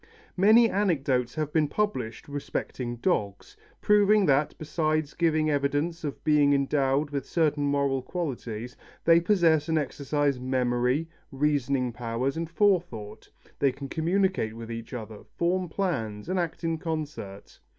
Many anecdotes have been published respecting dogs, proving that, besides giving evidence of being endowed with certain moral qualities, they possess and exercise memory, reasoning powers, and forethought; they can communicate with each other, form plans, and act in concert.